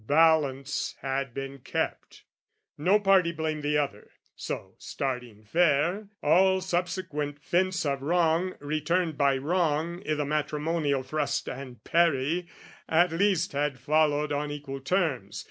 balance had been kept, No party blamed the other, so, starting fair, All subsequent fence of wrong returned by wrong I' the matrimonial thrust and parry, at least Had followed on equal terms.